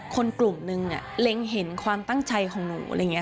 คนกลุ่มนึงเล็งเห็นความตั้งใจของหนู